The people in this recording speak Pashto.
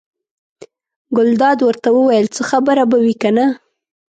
ګلداد ورته وویل: څه خبره به وي کنه.